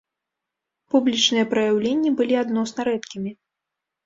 Публічныя праяўленні былі адносна рэдкімі.